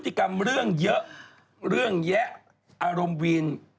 กรรมเรื่องเยอะเรื่องแยะอารมณ์วีน